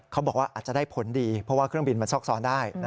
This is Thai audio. เขาบอกว่าอาจจะได้ผลดีเพราะว่าเครื่องบินมันซอกซ้อนได้